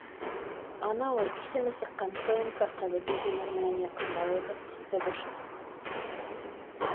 Анауы исеме сыҡҡан ПМК ҡыҙы Бибинур менән яҡынлауығыҙ эсте бошора